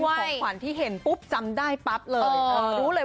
เป็นของขวัญที่เห็นปุ๊บจำได้ปั๊บเลย